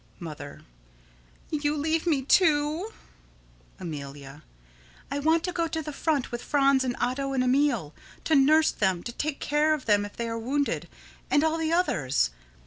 Mother: You leave me, too? Amelia: I want to go to the front with Franz and Otto and Emil, to nurse them, to take care of them if they are wounded and all the others.